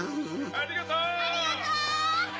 ありがとう！